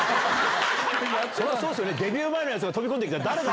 それはそれですよね、デビュー前のやつが飛び込んできたら、誰だ？